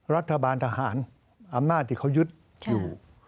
รัฐบาลทหารอำนาจที่เขายึดอยู่